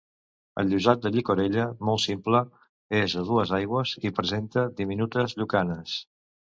El llosat de llicorella, molt simple, és a dues aigües i presenta diminutes llucanes.